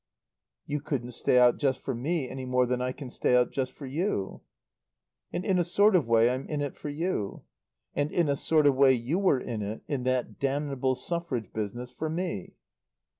"You couldn't stay out just for me any more than I can stay out for just you." "And in a sort of way I'm in it for you. And in a sort of way you were in it in that damnable suffrage business for me."